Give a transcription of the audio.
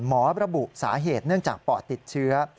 หมอระบุสาเหตุเนื่องจากปอดติดเชื้อ